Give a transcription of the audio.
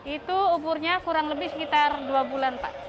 itu umurnya kurang lebih sekitar dua bulan pak